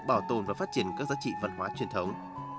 bảo tồn và phát triển các giá trị văn hóa truyền thống